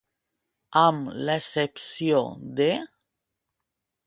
Amb l'excepció de.